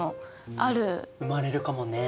生まれるかもね。